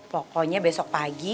pokoknya besok pagi